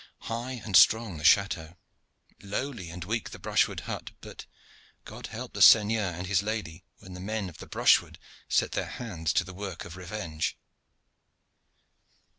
High and strong the chateaux, lowly and weak the brushwood hut; but God help the seigneur and his lady when the men of the brushwood set their hands to the work of revenge!